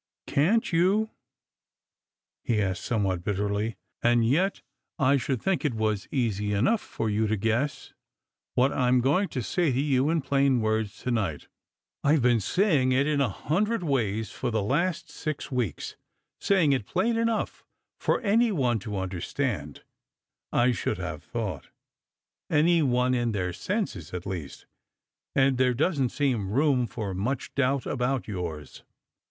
" Can't you ?" he asked somewhat bitterly. " And yet I should think it was easy enough for you to guess what I'm going to say to you in plain words to night. I've been saying it in a hundred ways for the last six weeks — saying it plain enough for any one to understand, I should have thought — any one in their senses, at least, and there doesn't seem room for much doubt aljout yours.